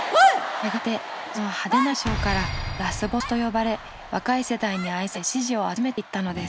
やがてその派手な衣装から「ラスボス」と呼ばれ若い世代に愛され支持を集めていったのです。